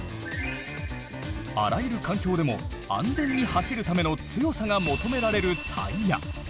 あらゆる環境でも安全に走るための強さが求められるタイヤ。